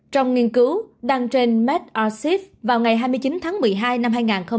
trong nghiên cứu đăng trên medarchive vào ngày hai mươi chín tháng một mươi hai năm hai nghìn hai mươi một